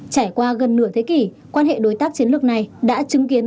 trải qua gần nửa thế kỷ quan hệ đối tác chiến lược này đã chứng kiến